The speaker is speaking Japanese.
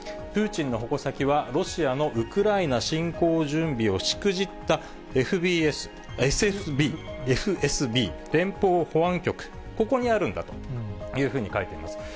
プーチンの矛先はロシアのウクライナ侵攻準備をしくじったＦＳＢ・連邦保安局、ここにあるんだというふうに書いています。